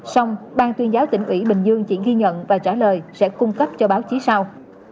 xong ban tuyên giáo tỉnh ủy bình dương chỉ ghi nhận và trả lời sẽ cung cấp cho báo chí sau